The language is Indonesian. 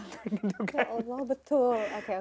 ya allah betul